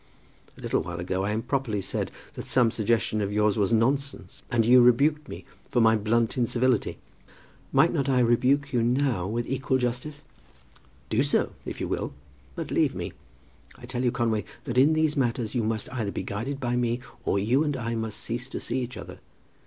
"A little while ago I improperly said that some suggestion of yours was nonsense and you rebuked me for my blunt incivility. Might not I rebuke you now with equal justice?" "Do so, if you will; but leave me. I tell you, Conway, that in these matters you must either be guided by me, or you and I must cease to see each other.